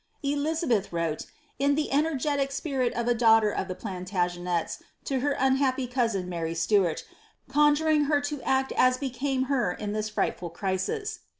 Dizabeth wrote, in the energetic spirit of a daughter of the Planta geneis, to her unhappy cousin Mary Sluart, conjuring her to act as became her in this frightful crisis.